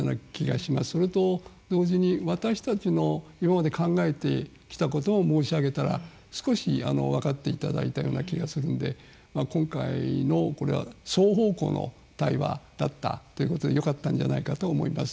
それと同時に私たちの今まで考えてきたことを申し上げたら少し分かっていただいたような気がするので今回のこれは双方向の対話だったということでよかったんじゃないかと思います。